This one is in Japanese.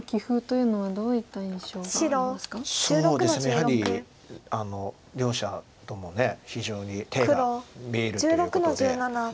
やはり両者とも非常に手が見えるということで。